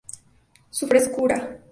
Su frescura.